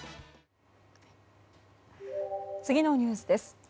次のニュースです。